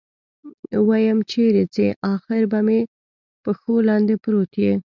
ويم چېرې ځې اخېر به مې پښو لاندې پروت يې.